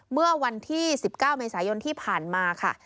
เมื่อวันที่๑๙เมษายนที่ผ่านมาค่ะ